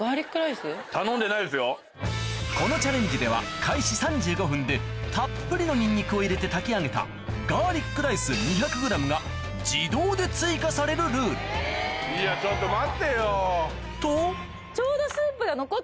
このチャレンジでは開始３５分でたっぷりのニンニクを入れて炊き上げたガーリックライス２００ｇが自動で追加されるルールとちょうど。